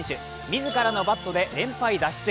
自らのバットで連敗脱出。